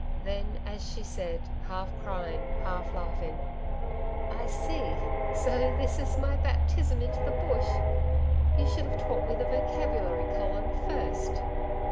Then, as she said, half crying, half laughing, 'I see. So this is my baptism into the Bush! You should have taught me the vocabulary, Colin, first.'